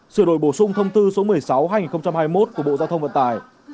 sửa đổi bổ sung thông tư số một mươi sáu hai nghìn hai mươi một của bộ giao thông vận tải